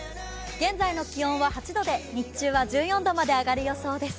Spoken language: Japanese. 現在の気温は８度で、日中は１４度まで上がる予想です。